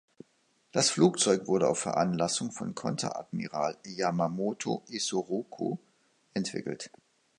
Das Flugzeug wurde auf Veranlassung von Konteradmiral Yamamoto Isoroku entwickelt.